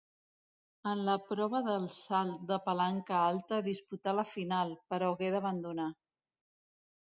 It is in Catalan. En la prova del salt de palanca alta disputà la final, però hagué d'abandonar.